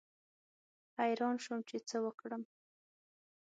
حیران شوم چې څه وکړم.